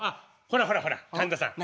ほらほらほら神田さん。